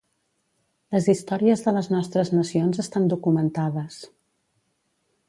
Les històries de les nostres nacions estan documentades.